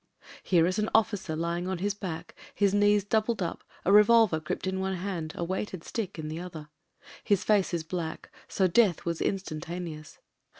Here is an officer lying on his back, his knees doubled up, a revolver gripped in one hand, a weighted stick in the other. His face is black, so death was instan taneous.